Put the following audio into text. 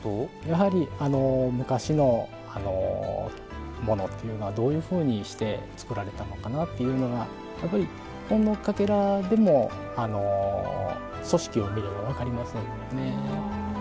やはり昔のものっていうのはどういうふうにして作られたのかなっていうのはやっぱりほんのかけらでも組織を見れば分かります。